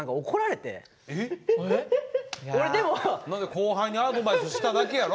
後輩にアドバイスしただけやろ？